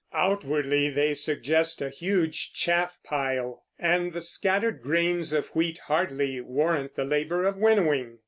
Outwardly they suggest a huge chaff pile, and the scattered grains of wheat hardly warrant the labor of winnowing.